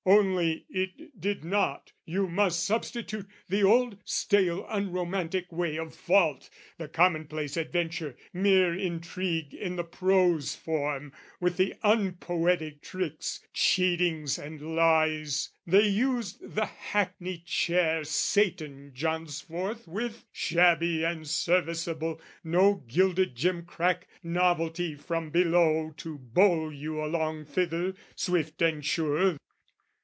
"Only, it did not: you must substitute "The old stale unromantic way of fault, "The commonplace adventure, mere intrigue "In the prose form with the unpoetic tricks, "Cheatings and lies: they used the hackney chair "Satan jaunts forth with, shabby and serviceable, "No gilded jimcrack novelty from below, "To bowl you along thither, swift and sure.